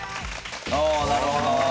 おなるほど。